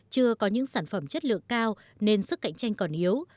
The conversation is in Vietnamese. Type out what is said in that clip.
chưa có những sản phẩm chất lượng cao nên sức cạnh tranh còn yếu